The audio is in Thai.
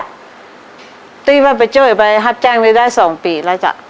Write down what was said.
ตอนนี้มันไปเจ้าอีกไปรับแจ้งไม่ได้สองปีแล้วจ้ะ